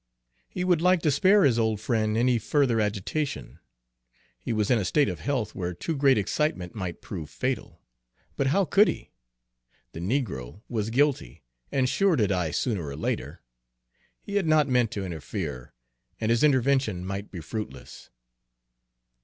He would like to spare his old friend any further agitation; he was in a state of health where too great excitement might prove fatal. But how could he? The negro was guilty, and sure to die sooner or later. He had not meant to interfere, and his intervention might be fruitless.